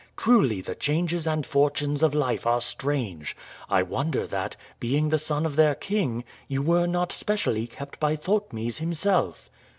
"Truly the changes and fortunes of life are strange. I wonder that, being the son of their king, you were not specially kept by Thotmes himself."